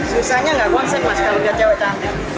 susahnya nggak konsep mas kalau lihat cewek cantik